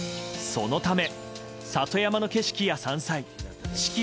そのため里山の景色や山菜四季